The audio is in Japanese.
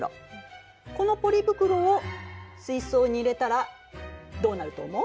このポリ袋を水槽に入れたらどうなると思う？